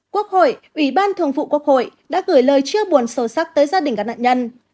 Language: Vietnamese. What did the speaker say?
quốc hội ủy ban thường vụ quốc hội đã gửi lời chia buồn sâu sắc tới gia đình các nạn nhân